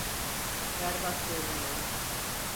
Berbat görünüyorum.